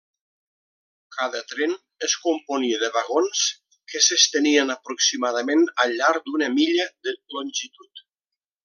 Cada tren es componia de vagons que s'estenien aproximadament al llarg d'una milla de longitud.